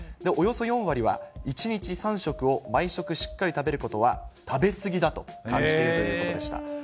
およそ４割は１日３食を毎食しっかり食べることは、食べ過ぎだと感じているということでした。